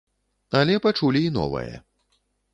Але пачулі і новае.